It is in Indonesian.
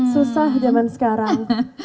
susah jaman sekarang